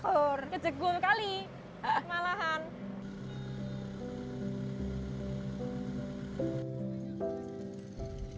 kecegur kali malahan